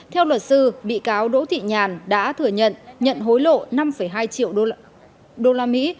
theo luật sư bị cáo đỗ thị nhàn đã thừa nhận nhận hối lộ năm hai triệu usd